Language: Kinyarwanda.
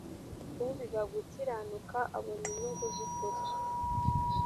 ubiba gukiranuka abona inyungu z ukuri